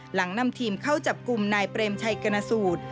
หลังนำทีมเข้าจับกลุ่มนายเปรมชัยกรณสูตร